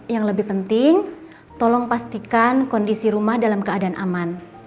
yang lebih penting tolong pastikan kondisi rumah dalam keadaan aman